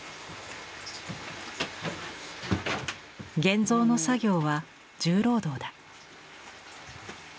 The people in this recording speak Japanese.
現像の作業は重労働だ。